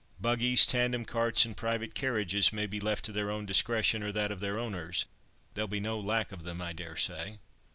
Buggies, tandem carts, and private carriages may be left to their own discretion, or that of their owners—there'll be no lack of them, I daresay."